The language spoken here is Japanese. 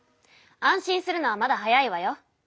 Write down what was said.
安心するのはまだ早いわよ。